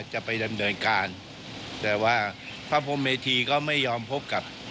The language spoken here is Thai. จะไปดำเนินการแต่ว่าพระพรมเมธีก็ไม่ยอมพบกับ